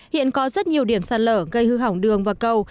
hiện có rất nhiều điểm sạt lở gây hư hỏng đường và cầu